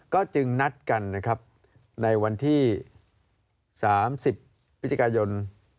ก็จึงนัดกันนะครับในวันที่สามสิบพิจารณ์ยนต์